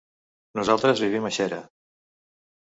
Nosaltres vivim a Xera.